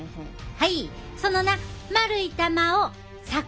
はい。